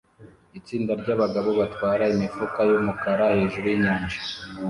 Itsinda ryabagabo batwara imifuka yumukara hejuru yinyanja